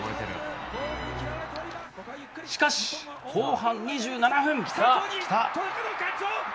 しかし後半２７分。